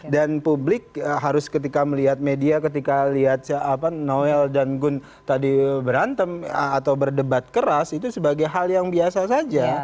dan publik harus ketika melihat media ketika melihat noel dan gun tadi berantem atau berdebat keras itu sebagai hal yang biasa saja